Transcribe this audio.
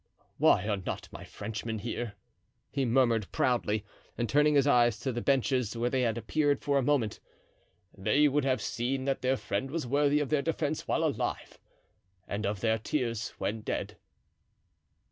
"Why are not my Frenchmen here?" he murmured proudly and turning his eyes to the benches where they had appeared for a moment; "they would have seen that their friend was worthy of their defense while alive, and of their tears when dead."